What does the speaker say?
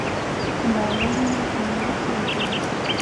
باور مې نۀ کېږي.